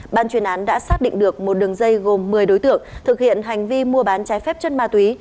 ban chuyên án đã xác định được một đường dây gồm một mươi đối tượng thực hiện hành vi mua bán trái phép chất ma túy